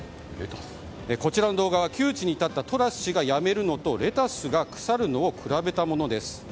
こちらの動画は窮地に立ったトラス氏が辞めるのとレタスが腐るのを比べたものです。